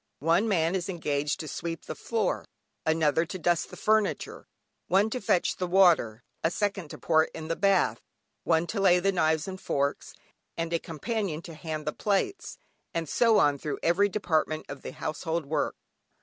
One man is engaged to sweep the floor, another to dust the furniture, one to fetch the water, a second to pour it into the bath, one to lay the knives and forks, and a companion to hand the plates, and so on through every department of the household work.